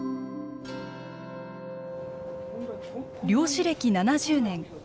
漁師歴７０年